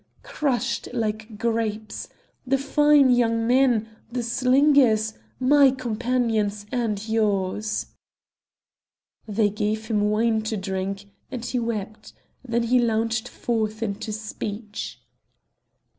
crushed like grapes! The fine young men! the slingers! my companions and yours!" They gave him wine to drink, and he wept; then he launched forth into speech.